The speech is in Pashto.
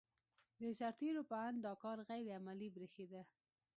د سرتېرو په اند دا کار غیر عملي برېښېده.